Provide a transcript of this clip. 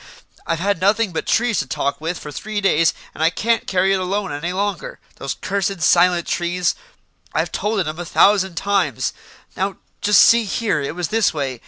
I've had nothing but trees to talk with for three days, and I can't carry it alone any longer. Those cursed, silent trees I've told it 'em a thousand times. Now, just see here, it was this way.